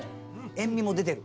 塩味も出てる。